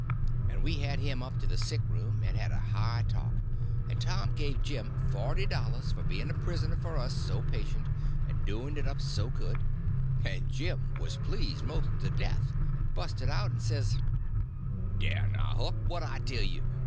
And we had him up to the sick room, and had a high talk; and Tom give Jim forty dollars for being prisoner for us so patient, and doing it up so good, and Jim was pleased most to death, and busted out, and says: "Dah, now, Huck, what I tell you?